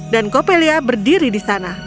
dan coppelia berdiri di sana